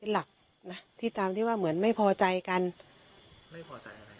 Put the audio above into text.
หลักนะที่ตามที่ว่าเหมือนไม่พอใจกันไม่พอใจอะไร